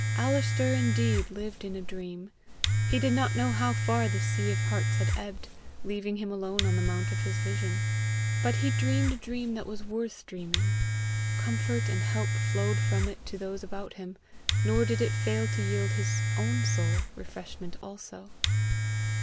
Alister indeed lived in a dream; he did not know how far the sea of hearts had ebbed, leaving him alone on the mount of his vision; but he dreamed a dream that was worth dreaming; comfort and help flowed from it to those about him, nor did it fail to yield his own soul refreshment also.